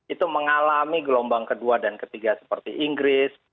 itu mengalami gelombang kedua dan ketiga seperti inggris